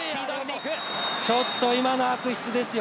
ちょっと今のは悪質ですよ。